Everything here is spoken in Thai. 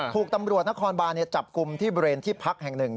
ถูกตำรวจนครบานจับกลุ่มที่บริเวณที่พักแห่งหนึ่ง